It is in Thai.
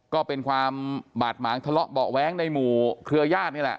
ก็เป็นความบาดหมางทะเลาะเบาะแว้งในหมู่เครือญาตินี่แหละ